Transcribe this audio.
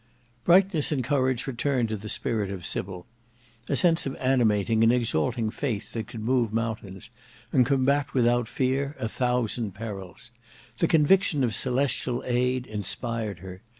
Brightness and courage returned to the spirit of Sybil: a sense of animating and exalting faith that could move mountains, and combat without fear a thousand perils. The conviction of celestial aid inspired her.